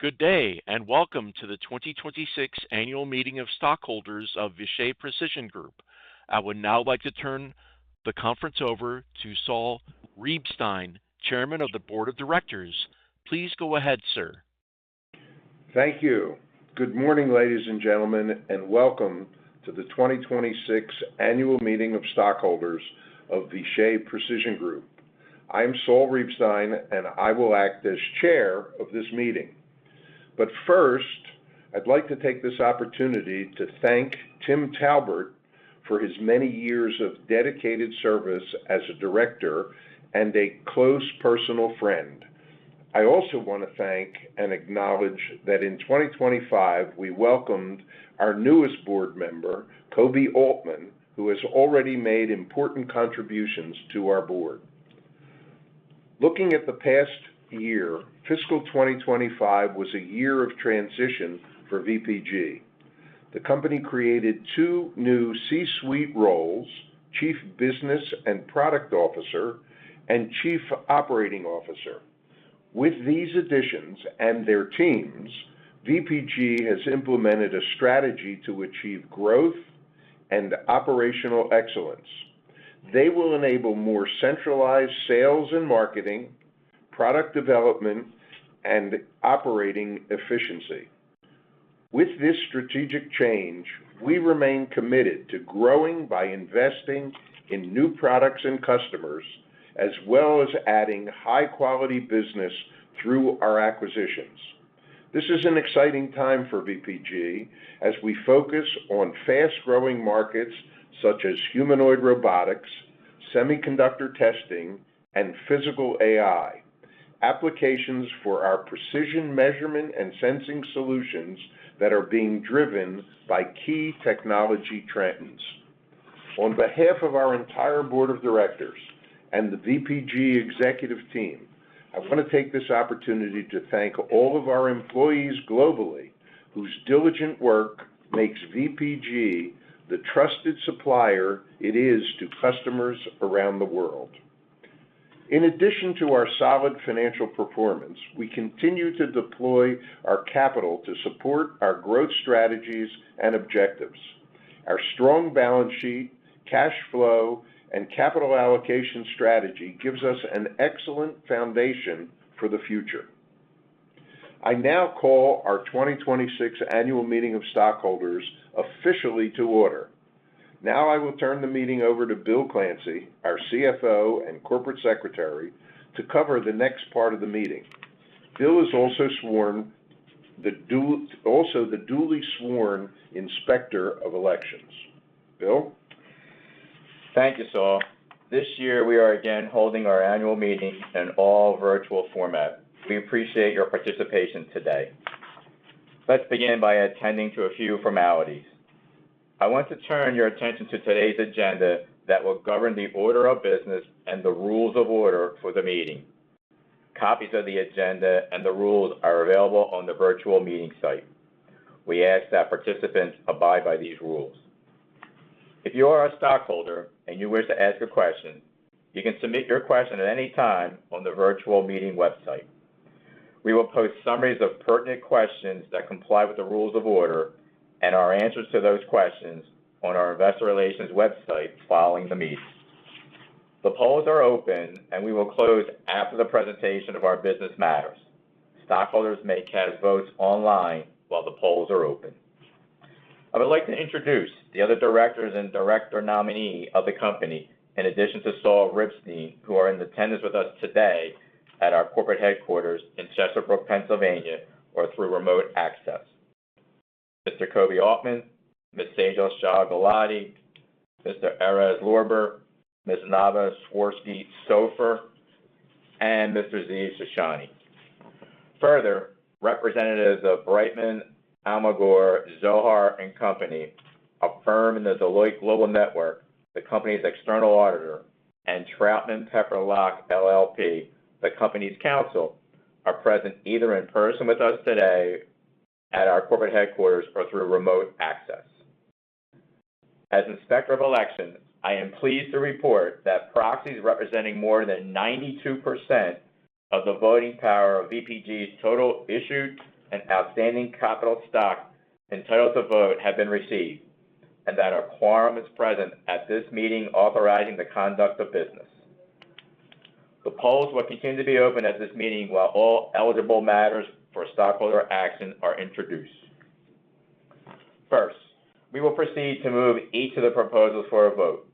Good day, welcome to the 2026 Annual Meeting of Stockholders of Vishay Precision Group. I would now like to turn the conference over to Saul Reibstein, Chairman of the Board of Directors. Please go ahead, sir. Thank you. Good morning, ladies and gentlemen, and welcome to the 2026 Annual Meeting of Stockholders of Vishay Precision Group. I'm Saul Reibstein, and I will act as chair of this meeting. First, I'd like to take this opportunity to thank Tim Talbert for his many years of dedicated service as a director and a close personal friend. I also want to thank and acknowledge that in 2025, we welcomed our newest board member, Kobi Altman, who has already made important contributions to our board. Looking at the past year, fiscal 2025 was a year of transition for VPG. The company created two new C-suite roles, Chief Business and Product Officer and Chief Operating Officer. With these additions and their teams, VPG has implemented a strategy to achieve growth and operational excellence. They will enable more centralized sales and marketing, product development, and operating efficiency. With this strategic change, we remain committed to growing by investing in new products and customers, as well as adding high-quality business through our acquisitions. This is an exciting time for VPG as we focus on fast-growing markets such as humanoid robotics, semiconductor testing, and physical AI, applications for our precision measurement and sensing solutions that are being driven by key technology trends. On behalf of our entire board of directors and the VPG executive team, I want to take this opportunity to thank all of our employees globally, whose diligent work makes VPG the trusted supplier it is to customers around the world. In addition to our solid financial performance, we continue to deploy our capital to support our growth strategies and objectives. Our strong balance sheet, cash flow, and capital allocation strategy gives us an excellent foundation for the future. I now call our 2026 Annual Meeting of Stockholders officially to order. Now I will turn the meeting over to Bill Clancy, our CFO and Corporate Secretary, to cover the next part of the meeting. Bill is also the duly sworn Inspector of Elections. Bill? Thank you, Saul. This year, we are again holding our annual meeting in an all virtual format. We appreciate your participation today. Let's begin by attending to a few formalities. I want to turn your attention to today's agenda that will govern the order of business and the rules of order for the meeting. Copies of the agenda and the rules are available on the virtual meeting site. We ask that participants abide by these rules. If you are a stockholder and you wish to ask a question, you can submit your question at any time on the virtual meeting website. We will post summaries of pertinent questions that comply with the rules of order and our answers to those questions on our investor relations website following the meeting. The polls are open, and we will close after the presentation of our business matters. Stockholders may cast votes online while the polls are open. I would like to introduce the other directors and director nominee of the company, in addition to Saul Reibstein, who are in attendance with us today at our corporate headquarters in Chesterbrook, Pennsylvania, or through remote access. Mr. Kobi Altman, Ms. Sejal Shah Gulati, Mr. Erez Lorber, Ms. Nava Swersky Sofer, and Mr. Ziv Shoshani. Further, representatives of Brightman, Almagor, Zohar & Company, a firm in the Deloitte Global network, the company's external auditor, and Troutman Pepper Locke LLP, the company's counsel, are present either in person with us today at our corporate headquarters or through remote access. As Inspector of Elections, I am pleased to report that proxies representing more than 92% of the voting power of VPG's total issued and outstanding capital stock entitled to vote have been received, and that a quorum is present at this meeting authorizing the conduct of business. The polls will continue to be open at this meeting while all eligible matters for stockholder action are introduced. We will proceed to move each of the proposals for a vote.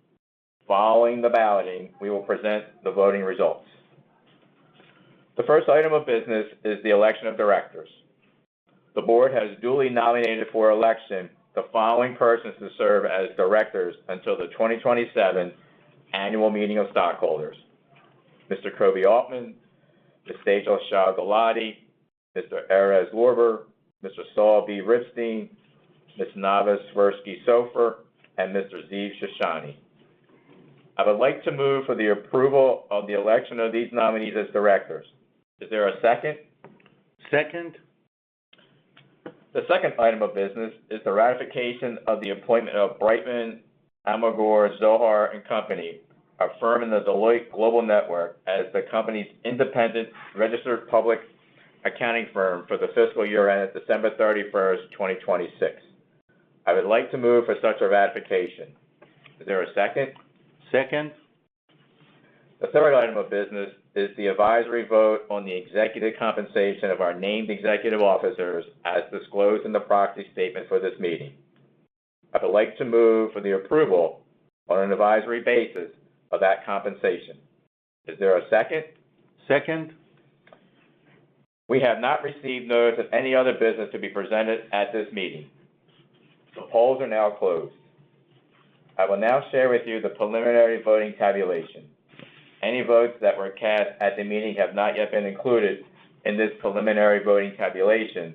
Following the balloting, we will present the voting results. The first item of business is the election of directors. The board has duly nominated for election the following persons to serve as directors until the 2027 Annual Meeting of Stockholders. Mr. Kobi Altman, Ms. Sejal Shah Gulati, Mr. Erez Lorber, Mr. Saul Reibstein, Ms. Nava Swersky Sofer, and Mr. Ziv Shoshani. I would like to move for the approval of the election of these nominees as directors. Is there a second? Second. The second item of business is the ratification of the appointment of Brightman, Almagor, Zohar & Co., a firm in the Deloitte Global network, as the company's independent registered public accounting firm for the fiscal year ended December 31st, 2026. I would like to move for such ratification. Is there a second? Second. The third item of business is the advisory vote on the executive compensation of our named executive officers as disclosed in the proxy statement for this meeting. I would like to move for the approval on an advisory basis of that compensation. Is there a second? Second. We have not received notice of any other business to be presented at this meeting. The polls are now closed. I will now share with you the preliminary voting tabulation. Any votes that were cast at the meeting have not yet been included in this preliminary voting tabulation,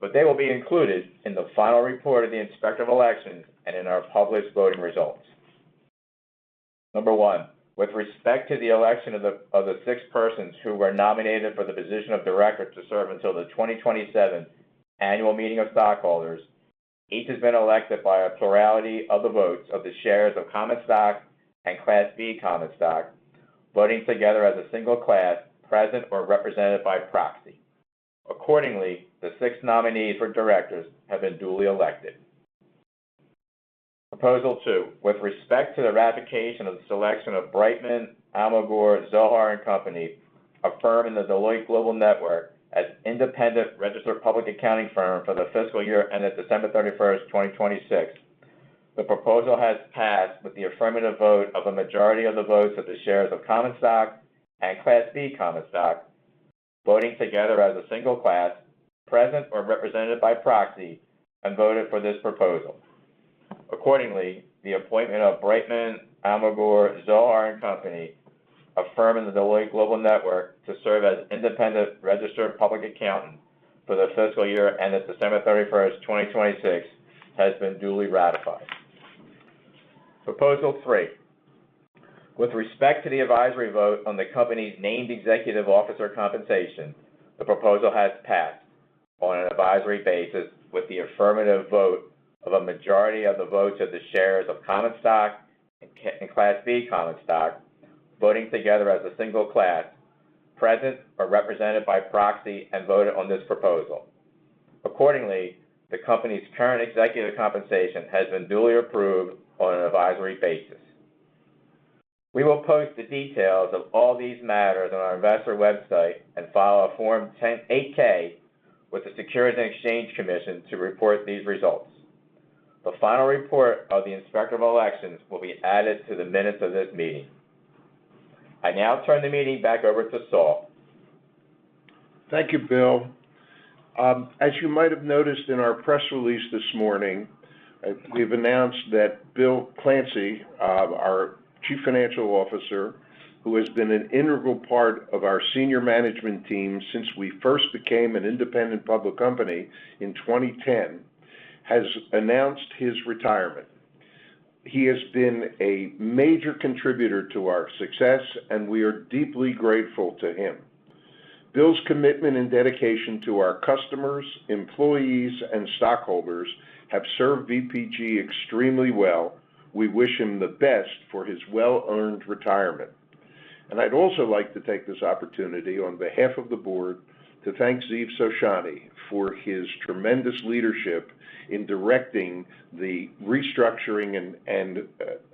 but they will be included in the final report of the Inspector of Elections and in our published voting results. Number 1, with respect to the election of the six persons who were nominated for the position of director to serve until the 2027 Annual Meeting of Stockholders, each has been elected by a plurality of the votes of the shares of Common Stock and Class B Common Stock, voting together as a single class, present or represented by proxy. Accordingly, the six nominees for directors have been duly elected. Proposal two, with respect to the ratification of the selection of Brightman, Almagor, Zohar, and Company, a firm in the Deloitte Global network, as independent registered public accounting firm for the fiscal year end at December 31st, 2026. The proposal has passed with the affirmative vote of a majority of the votes of the shares of Common Stock and Class B Common Stock, voting together as a single class, present or represented by proxy, and voted for this proposal. The appointment of Brightman, Almagor, Zohar, and Company, a firm in the Deloitte Global network, to serve as independent registered public accountant for the fiscal year end at December 31st, 2026, has been duly ratified. Proposal three, with respect to the advisory vote on the company's named executive officer compensation, the proposal has passed on an advisory basis with the affirmative vote of a majority of the votes of the shares of Common Stock and Class B Common Stock, voting together as a single class, present or represented by proxy, and voted on this proposal. Accordingly, the company's current executive compensation has been duly approved on an advisory basis. We will post the details of all these matters on our investor website and file a Form 8-K with the Securities and Exchange Commission to report these results. The final report of the Inspector of Elections will be added to the minutes of this meeting. I now turn the meeting back over to Saul. Thank you, Bill. As you might have noticed in our press release this morning, we've announced that Bill Clancy, our Chief Financial Officer, who has been an integral part of our senior management team since we first became an independent public company in 2010, has announced his retirement. He has been a major contributor to our success, and we are deeply grateful to him. Bill's commitment and dedication to our customers, employees, and stockholders have served VPG extremely well. We wish him the best for his well-earned retirement. I'd also like to take this opportunity on behalf of the board to thank Ziv Shoshani for his tremendous leadership in directing the restructuring and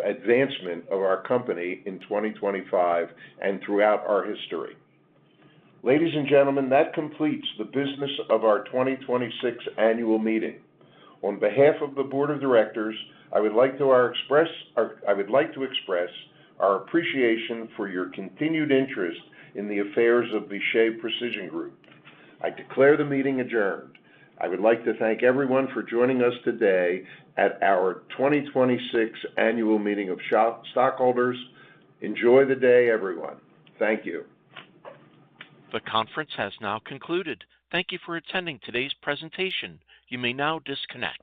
advancement of our company in 2025 and throughout our history. Ladies and gentlemen, that completes the business of our 2026 annual meeting. On behalf of the Board of Directors, I would like to express our appreciation for your continued interest in the affairs of the Vishay Precision Group. I declare the meeting adjourned. I would like to thank everyone for joining us today at our 2026 annual meeting of stockholders. Enjoy the day, everyone. Thank you. The conference has now concluded. Thank you for attending today's presentation. You may now disconnect.